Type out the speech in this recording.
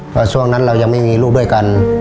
เพราะช่วงนั้นเรายังไม่มีลูกด้วยกัน